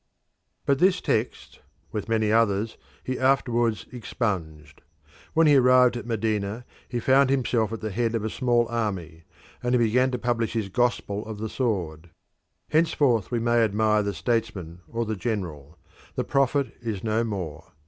But this text, with many others, he afterwards expunged. When he arrived at Medina he found himself at the head of a small army, and he began to publish his gospel of the sword. Henceforth we may admire the statesman or the general; the prophet is no more.